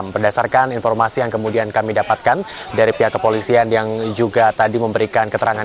berdasarkan informasi yang kemudian kami dapatkan dari pihak kepolisian yang juga tadi memberikan keterangan